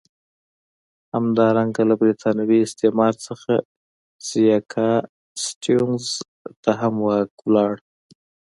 همدارنګه له برېتانوي استعمار څخه سیاکا سټیونز ته هم واک ولاړ.